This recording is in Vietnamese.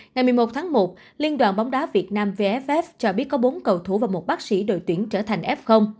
ngày một mươi một tháng một liên đoàn bóng đá việt nam vff cho biết có bốn cầu thủ và một bác sĩ đội tuyển trở thành f